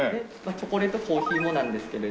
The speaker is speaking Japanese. チョコレートコーヒーもなんですけれど。